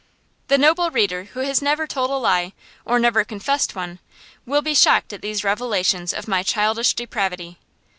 The noble reader who never told a lie, or never confessed one, will be shocked at these revelations of my childish depravity.